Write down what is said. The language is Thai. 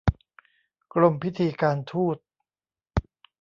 กรมพิธีการทูต